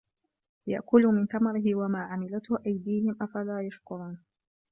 لِيَأكُلوا مِن ثَمَرِهِ وَما عَمِلَتهُ أَيديهِم أَفَلا يَشكُرونَ